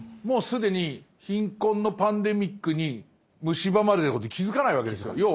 もう既に貧困のパンデミックに蝕まれてることに気付かないわけですよ。